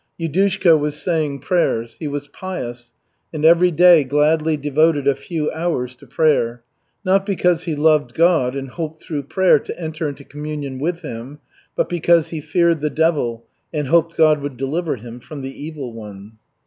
Yudushka was saying prayers. He was pious, and every day gladly devoted a few hours to prayer, not because he loved God and hoped through prayer to enter into communion with Him, but because he feared the devil and hoped God would deliver him from the Evil One.